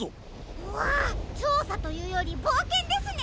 うわちょうさというよりぼうけんですね！